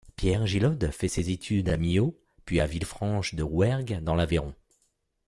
Pierre Gilhodes fait ses études à Millau, puis à Villefranche-de-Rouergue, dans l'Aveyron.